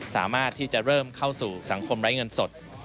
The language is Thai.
สามารถที่จะเริ่มเข้าสู่สังคมไร้เงินสด